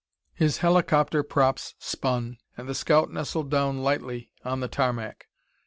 His helicopter props spun, and the scout nestled down lightly on the tarmac.